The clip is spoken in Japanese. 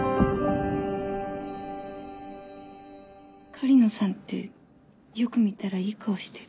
狩野さんってよく見たらいい顔してる。